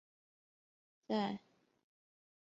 再娶阿剌罕公主。